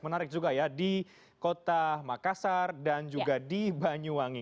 menarik juga ya di kota makassar dan juga di banyuwangi